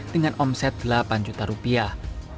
dengan omset delapan juta rupiah